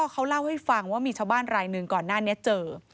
เขาเล่าให้ฟังว่ามีชาวบ้านรายหนึ่งก่อนหน้านี้เจอ